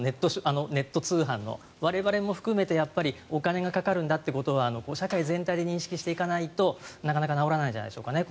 ネット通販の我々も含めてやっぱりお金がかかるんだということを社会全体で認識していかないとなかなか直らないんじゃないでしょうかね。